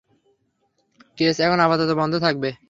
Case এখন আপাতত বন্ধ থাকবে।